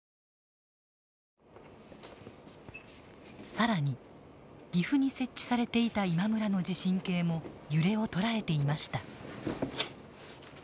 更に岐阜に設置されていた今村の地震計も揺れを捉えていました。